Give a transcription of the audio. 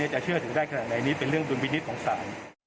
เชื่อถือได้ขนาดไหนนี้เป็นเรื่องดุลพินิษฐ์ของศาล